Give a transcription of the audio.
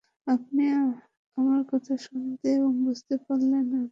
আপনি আমার কথা শুনতে এবং বুঝতে পারলে মাথা নাড়াবেন।